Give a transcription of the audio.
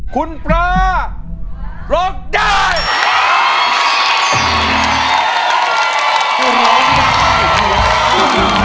คุณปลาร้องได้